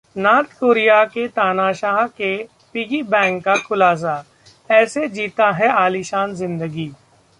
north Korea के तानाशाह के पिगी बैंक का खुलासा, ऐसे जीता है आलीशान जिंदगी